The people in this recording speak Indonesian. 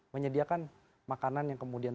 menyediakan makanan yang kemudian